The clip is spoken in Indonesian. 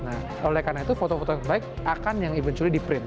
nah oleh karena itu foto foto terbaik akan yang ibu curi di print